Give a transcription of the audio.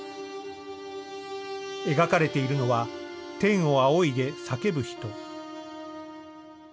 描かれているのは天を仰いで叫ぶ人。